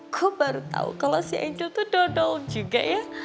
kau baru tahu kalau si angel itu dodol juga ya